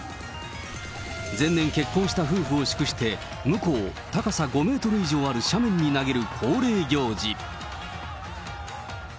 前年、結婚した夫婦を祝して婿を高さ５メートル以上ある斜面に投げる恒例行事。